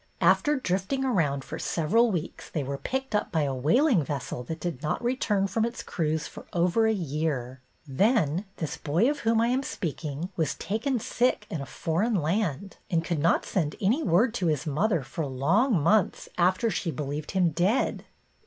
After drifting around for several weeks, they were picked up by a whaling vessel that did not return from its cruise for over a year. Then this boy of whom I am speaking was taken sick in a foreign land, and could not send any word to his mother for long months after she believed him dead."